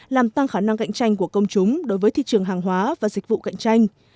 làm tăng khả năng cạnh tranh của công chúng đối với thị trường hàng hóa và dịch vụ cạnh tranh